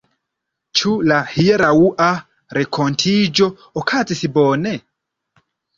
Ĉu la hieraŭa renkontiĝo okazis bone?